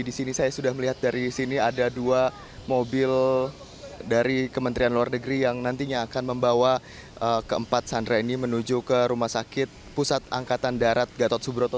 di sini saya sudah melihat dari sini ada dua mobil dari kementerian luar negeri yang nantinya akan membawa keempat sandra ini menuju ke rumah sakit pusat angkatan darat gatot subroto